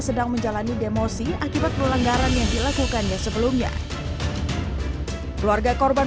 sedang menjalani demosi akibat pelanggaran yang dilakukannya sebelumnya keluarga korban